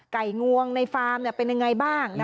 งวงในฟาร์มเป็นยังไงบ้าง